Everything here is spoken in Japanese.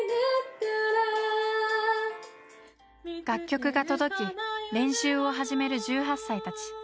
楽曲が届き練習を始める１８歳たち。